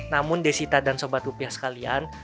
namun desita dan sobat rupiah sekalian